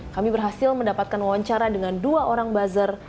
kami berhasil mendapatkan wawancara dengan dua orang buzzer